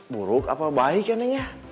buruk apa baik ya neng ya